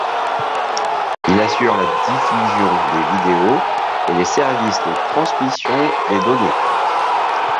Il assure la diffusion de vidéos et des services de transmission de données.